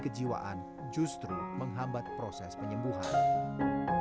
kejiwaan justru menghambat proses penyembuhan sama seperti tenaga kesehatan lainnya ia juga sempat